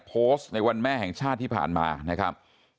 โพสต์ในวันแม่แห่งชาติที่ผ่านมานะครับ